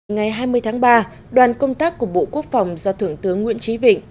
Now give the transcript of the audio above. ngày hai mươi tháng ba đoàn công tác của bộ quốc phòng do thượng tướng nguyễn trí vịnh